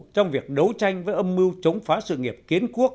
trong việc đấu tranh với âm mưu chống phá sự nghiệp kiến quốc